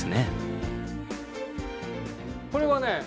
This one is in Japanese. これはね